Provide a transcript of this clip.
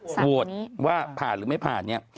สั่งนี้ว่าผ่านหรือไม่ผ่านเนี่ย